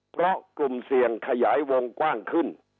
เพราะกลุ่มเสี่ยงขยายวงกว้างขึ้น